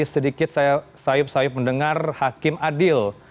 sedikit saya sayup sayup mendengar hakim adil